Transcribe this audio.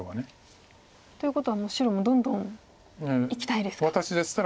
ということはもう白もどんどんいきたいですか。